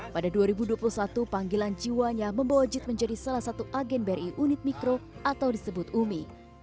pada dua ribu dua puluh satu panggilan jiwanya membawa jit menjadi salah satu agen bri unit mikro atau disebut umi